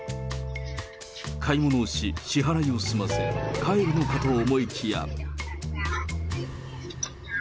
買い物をし、支払いを済ませ、帰るのかと思いきや。